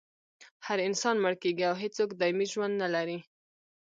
هر انسان مړ کیږي او هېڅوک دایمي ژوند نلري